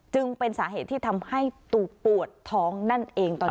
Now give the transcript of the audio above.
จึงเป็นสาเหตุที่ทำให้ตูปวดท้องนั่นเองตอนนี้